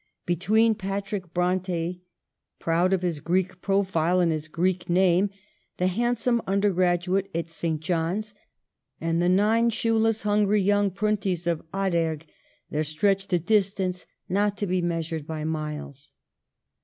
Between Patrick Bronte, proud of his Greek profile and his Greek name, the hand some undergraduate at St. John's, and the nine shoeless, hungry young Pruntys of Ahaderg, there stretched a distance not to be measured by miles.